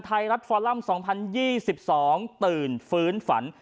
ไทยรัฐฟอลัม๒๐๒๒ตื่นฟื้นฝัน